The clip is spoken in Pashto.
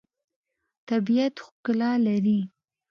طبیعت ښکلا لري.